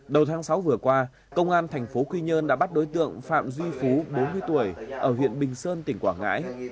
đầu tháng sáu vừa qua công an thành phố quy nhơn đã bắt đối tượng phạm duy phú bốn mươi tuổi ở huyện bình sơn tỉnh quảng ngãi